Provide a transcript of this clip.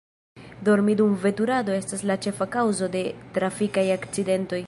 Dormi dum veturado estas la ĉefa kaŭzo de trafikaj akcidentoj.